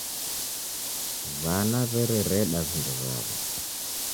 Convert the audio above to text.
W'ana w'erereda vindo vaw'o.